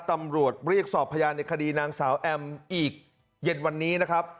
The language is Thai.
ตำรวจเรียกสอบพยานในคดีนางสาวแอมอีกเย็นวันนี้นะครับ